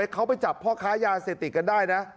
เขาไปจับพ่อค้ายาเสพติดกันได้นะ